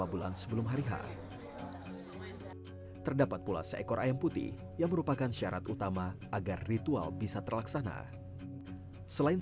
konsentrasi masyarakat terkumpul di tempat pagelaran